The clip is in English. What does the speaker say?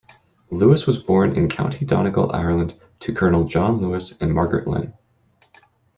Lewis was born in County Donegal, Ireland, to Colonel John Lewis and Margaret Lynn.